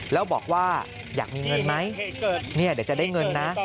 แล้วบอกว่าอยากมีเงินไหมเดี๋ยวจะได้เงินนะ